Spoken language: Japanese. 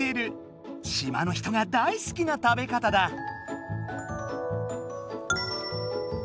島の人が大好きな食べ方だ！え！